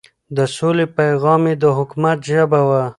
د سولې پيغام يې د حکومت ژبه وه.